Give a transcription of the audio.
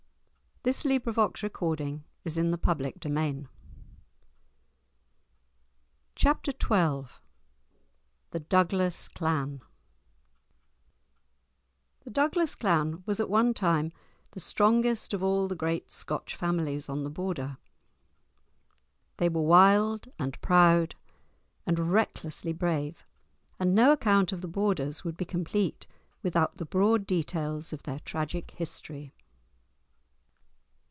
Thus was the hunting of the Cheviot; God send us all good ending!" *Chapter XII* *The Douglas Clan* The Douglas clan was at one time the strongest of all the great Scotch families on the Border; they were wild and proud and recklessly brave, and no account of the Borders would be complete without the broad details of their tragic history.